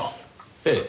ええ。